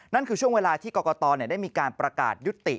นั่นคือช่วงเวลาที่กรกตได้มีการประกาศยุติ